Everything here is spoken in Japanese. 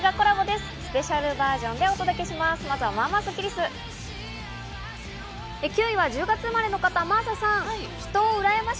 スペシャルバージョンでお届けします。